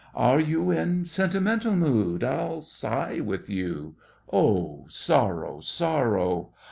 Are you in sentimental mood? I'll sigh with you, Oh, sorrow, sorrow!